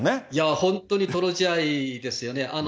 いや、本当に泥仕合ですよね。